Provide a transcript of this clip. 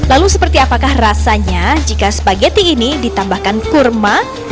lalu seperti apakah rasanya jika spaghetti ini ditambahkan kurma